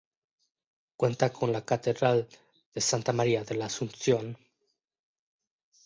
Cuenta con la catedral de Santa María de la Asunción.